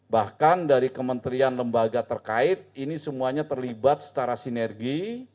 bahkan dari kementerian lembaga terkait ini semuanya terlibat secara sinergi